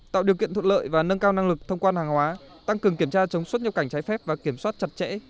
tạo điều kiện thuận lợi và nâng cao năng lực thông quan hàng hóa tăng cường kiểm tra chống xuất nhập cảnh trái phép và kiểm soát chặt chẽ